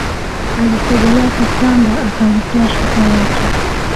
Alisogelea kitanda akalitoa shuka lake